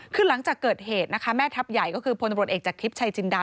คือหลังจากเกิดเหตุนะคะแม่ทัพใหญ่ก็คือพลตำรวจเอกจากทริปชัยจินดา